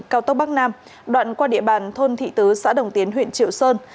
cao tốc bắc nam đoạn qua địa bàn thôn thị tứ xã đồng tiến huyện triệu sơn